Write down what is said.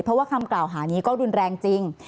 เพราะว่าคำกล่าวหานี้ก็รุนแรงจริง